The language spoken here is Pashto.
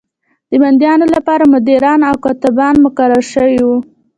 د بندیانو لپاره مدیران او کاتبان مقرر شوي وو.